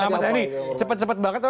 pak anies cepat cepat banget